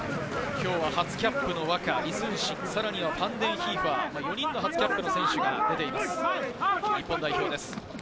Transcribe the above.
今日は初キャップのワクァ、李承信、ファンデンヒーファー、初キャップの選手が出ています、日本代表です。